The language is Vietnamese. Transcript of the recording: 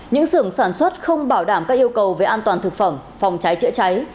những sưởng sản xuất không bảo đảm các yêu cầu về an toàn thực phẩm phòng cháy chữa cháy